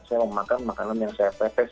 saya memakan makanan yang saya petes